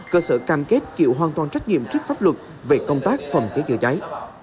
cơ sở cam kết chịu hoàn toàn trách nhiệm trước pháp luật về công tác phòng cháy chữa cháy